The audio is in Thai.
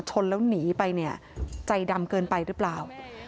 ชนแล้วหนีไปเนี่ยใจดำเกินไปหรือเปล่า